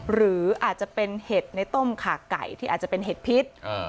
หรืออาจจะเป็นเห็ดในต้มขาไก่ที่อาจจะเป็นเห็ดพิษ